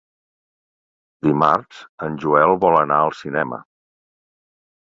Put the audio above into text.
Dimarts en Joel vol anar al cinema.